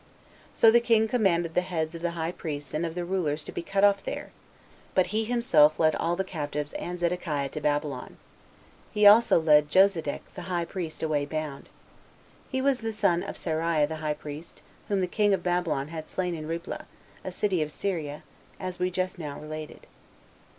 So the king commanded the heads of the high priest and of the rulers to be cut off there; but he himself led all the captives and Zedekiah to Babylon. He also led Josedek the high priest away bound. He was the son of Seraiah the high priest, whom the king of Babylon had slain in Riblah, a city of Syria, as we just now related.